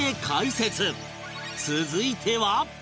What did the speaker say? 続いては